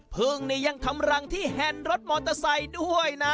พึ่งนี่ยังทำรังที่แฮนด์รถมอเตอร์ไซค์ด้วยนะ